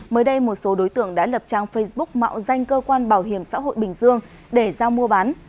mới đây một số đối tượng đã lập trang facebook mạo danh cơ quan bảo hiểm xã hội bình dương để giao mua bán